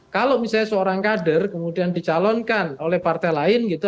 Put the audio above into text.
kalau misalnya seorang kader kemudian dicalonkan oleh partai lain gitu